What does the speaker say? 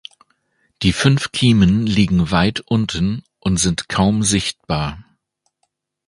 Die fünf Kiemen liegen weit unten und sind kaum sichtbar.